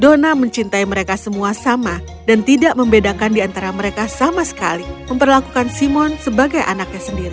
dona mencintai mereka semua sama dan tidak membedakan diantara mereka sama sekali memperlakukan simon sebagai anaknya sendiri